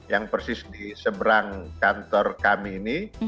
yang persis di seberang kantor kami ini